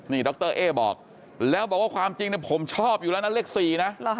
นี่ดรเอ๊บอกแล้วบอกว่าความจริงผมชอบอยู่แล้วนะเลข๔นะ